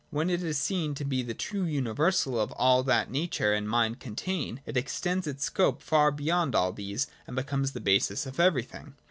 Wheo it is seen to be the true universal ^^,of all that nature and mind contain, it extends its scope far beyond all these, and beaomes the basis of everything.